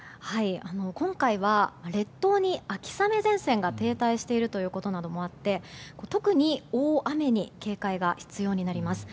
今回は、列島に秋雨前線が停滞しているということもあって特に大雨に警戒が必要になります。